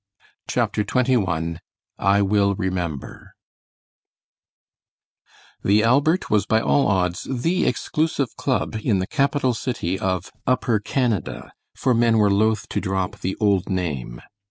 CHAPTER XXI I WILL REMEMBER The Albert was by all odds the exclusive club in the capital city of upper Canada, for men were loath to drop the old name.